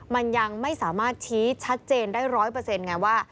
มันยังไม่สามารถชี้ชัดเจนได้ร้อยเปอร์เซ็นต์ไงว่า